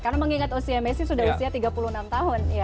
karena mengingat usia messi sudah usia tiga puluh enam tahun